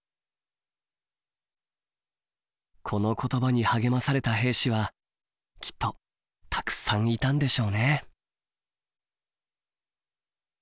この言葉に励まされた兵士はきっとたくさんいたんでしょうね。